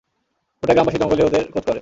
গোটা গ্রামবাসী জঙ্গলে ওদের খোঁজ করে।